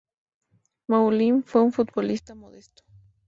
Moulin fue un futbolista modesto.